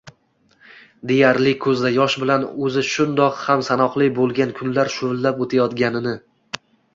deyarli koʻzda yosh bilan oʻzi shundoq ham sanoqli boʻlgan kunlar shuvillab oʻtayotganini